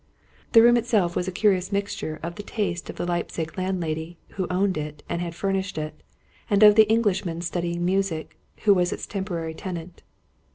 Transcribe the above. The room itself was a curious mixture of the taste of the Leipzig landlady, who owned and had furnished it, and of the Englishman studying music, who was its temporary tenant.